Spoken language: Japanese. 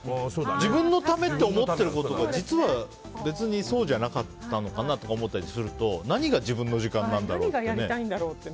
自分のためと思っていることが実は別にそうじゃなかったのかなとか思ったりすると何が自分の時間なんだろうって。